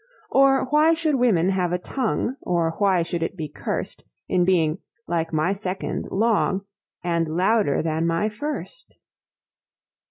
Or why should women have a tongue, Or why should it be cursed, In being, like my Second, long, And louder than my First?